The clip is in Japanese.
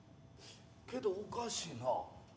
けどおかしいな。